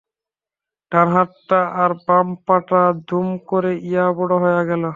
ডান হাতটা আর বাম পাটা দুম করে ইয়া বড় হয়ে গেলো।